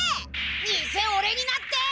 偽オレになって！